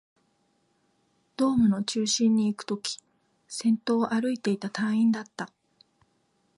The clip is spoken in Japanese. ドームの中心にいくとき、先頭を歩いていた隊員だった